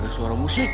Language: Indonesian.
ada suara musik